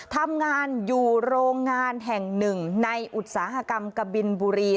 ทำงานอยู่โรงงานแห่งหนึ่งในอุตสาหกรรมกบินบุรี